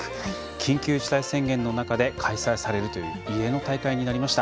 緊急事態宣言の中で開催されるという異例の大会になりました。